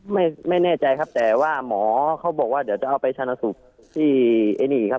ไม่แน่ใจครับแต่ว่าหมอเขาบอกว่าเดี๋ยวจะเอาไปชนะสูตรที่ไอ้นี่ครับ